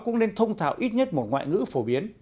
cũng nên thông thạo ít nhất một ngoại ngữ phổ biến